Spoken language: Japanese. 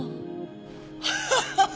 ハハハハ！